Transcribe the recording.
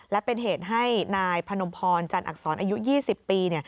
และเป็นเหตุให้นายพนมพรจันอักษรอายุ๒๐ปี